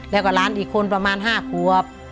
แล้วก็หลานอีกคนประมาณ๕ขวบ